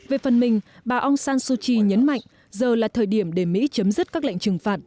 về phần mình bà aung san suu kyi nhấn mạnh giờ là thời điểm để mỹ chấm dứt các lệnh trừng phạt